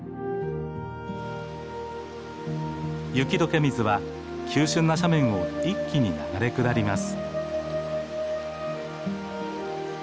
雪どけ水は急しゅんな斜面を一気に流れ下ります。